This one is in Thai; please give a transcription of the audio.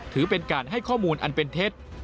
ถือเป็นการให้ข้อมูลอันเป็นเท็จ